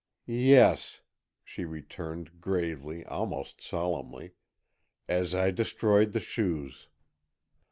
"Yes," she returned, gravely, almost solemnly, "as I destroyed the shoes."